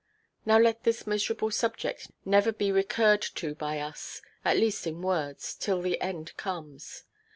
Now let this miserable subject never be recurred to by us, at least in words, till the end comes.